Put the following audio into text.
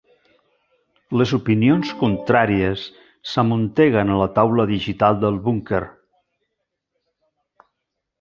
Les opinions contràries s'amunteguen a la taula digital del búnquer.